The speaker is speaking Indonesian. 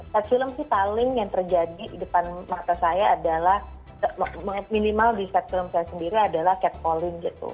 set film sih paling yang terjadi di depan mata saya adalah minimal di set film saya sendiri adalah cat calling gitu